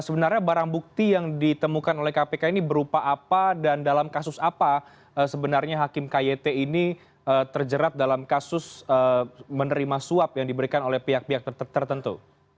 karena barang bukti yang ditemukan oleh kpk ini berupa apa dan dalam kasus apa sebenarnya hakim kyt ini terjerat dalam kasus menerima suap yang diberikan oleh pihak pihak tertentu